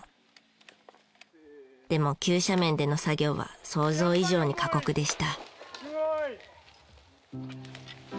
でも急斜面での作業は想像以上に過酷でした。